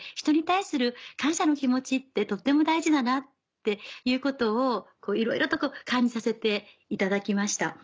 人に対する感謝の気持ちってとても大事だなっていうことをいろいろと感じさせていただきました。